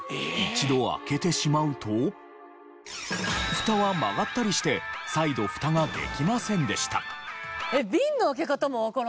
蓋は曲がったりして再度蓋ができませんでした。